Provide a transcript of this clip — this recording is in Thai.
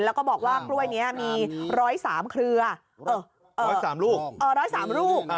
แล้วก็บอกว่ากล้วยนี้มี๑๐๓เครือ๑๐๓ลูก๑๐๓ลูก